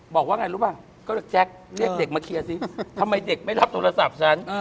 บอกว่าไงรู้ป่ะก็แจ๊คเรียกเด็กมาเคลียร์สิทำไมเด็กไม่รับโทรศัพท์ฉัน